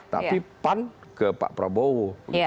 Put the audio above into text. tapi pan ke pak prabowo